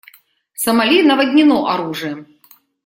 Сомали наводнено оружием.